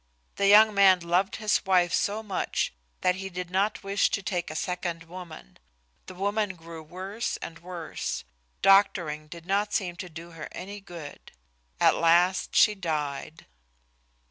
The young man loved his wife so much that he did not wish to take a second woman. The woman grew worse and worse. Doctoring did not seem to do her any good. At last she died.